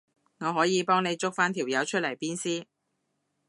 我可以幫你捉返條友出嚟鞭屍